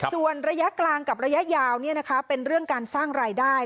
ส่วนระยะกลางกับระยะยาวเป็นเรื่องการสร้างรายได้